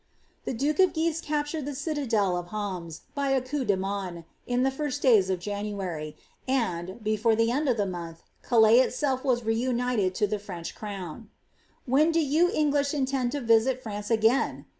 The duke of Guise captured the citadel of Hammes, by a coup de wutinj in the first days of January, and, before the end of the month, Calais itself was re united to the French crown. ^ When do you English intend to visit France again